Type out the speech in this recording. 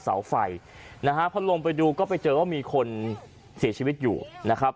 เสาไฟนะฮะพอลงไปดูก็ไปเจอว่ามีคนเสียชีวิตอยู่นะครับ